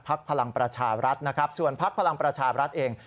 พักภัลังประชารัฐพาส่วนพักภัลังประชารัฐเอง